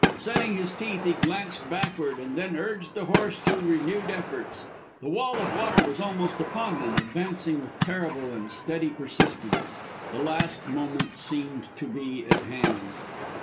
Setting his teeth, he glanced backward and then urged the horse to renewed efforts. The wall of water was almost upon them, advancing with terrible and steady persistence. The last moment seemed to be at hand.